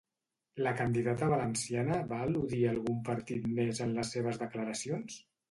La candidata valenciana va al·ludir a algun partit més en les seves declaracions?